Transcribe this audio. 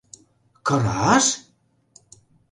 — Кыраш?!